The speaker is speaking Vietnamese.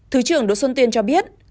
thứ trưởng đỗ xuân tuyên cho biết